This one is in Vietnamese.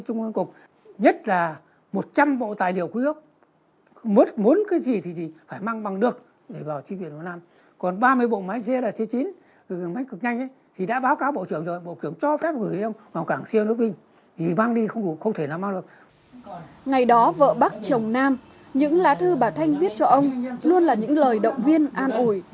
ngày đó vợ bác chồng nam những lá thư bà thanh viết cho ông luôn là những lời động viên an ủi